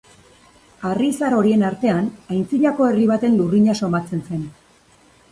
Harri zahar horien artean aintzinako herri baten lurrina somatzen zen.